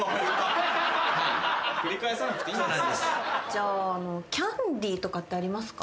じゃあキャンディーとかってありますか？